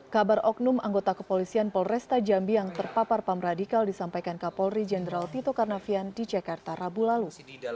kabar oknum anggota kepolisian polresta jambi yang terpapar paham radikal disampaikan kapolri jenderal tito karnavian di jakarta rabu lalu